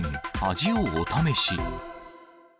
味をお試し。